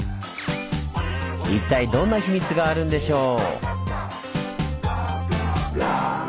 一体どんな秘密があるんでしょう？